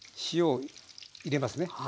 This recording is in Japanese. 塩を入れますね。